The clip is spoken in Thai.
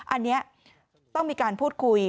อันนี้ต้องมีการพูดคุย